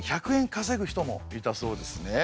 かせぐ人もいたそうですね。